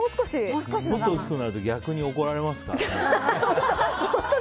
もっと大きくなると逆に怒られますからね。